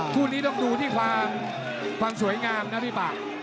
คู่นี้ต้องดูที่ความสวยงามนะพี่ปาก